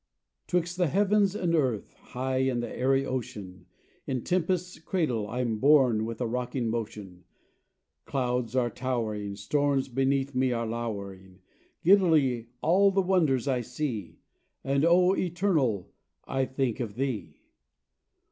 'Twixt the heavens and earth, high in the airy ocean, In the tempest's cradle I'm borne with a rocking motion; Clouds are towering, Storms beneath me are lowering, Giddily all the wonders I see, And, O Eternal, I think of Thee!